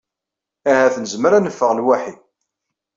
Ahat nezmer ad neffeɣ lwaḥi.